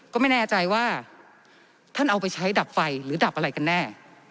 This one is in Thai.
ก็ไม่แน่ใจว่าท่านเอาไปใช้ดับไฟหรือดับอะไรกันแน่